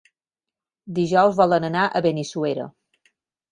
Dijous volen anar a Benissuera.